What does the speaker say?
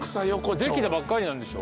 できたばっかりなんでしょ？